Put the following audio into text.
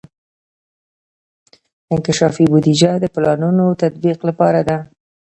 انکشافي بودیجه د پلانونو تطبیق لپاره ده.